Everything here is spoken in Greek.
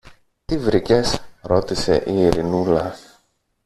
Τι βρήκες; ρώτησε η Ειρηνούλα.